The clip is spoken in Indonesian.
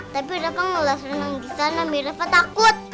tapi rafa ngeles renang di sana mami rafa takut